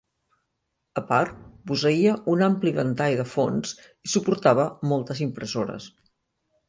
A part, posseïa un ampli ventall de fonts i suportava moltes impressores.